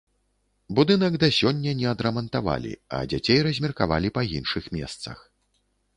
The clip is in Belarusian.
Будынак да сёння не адрамантавалі, а дзяцей размеркавалі па іншых месцах.